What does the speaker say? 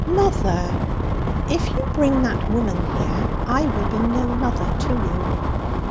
'Mother!' 'If you bring that woman here, I will be no mother to you.'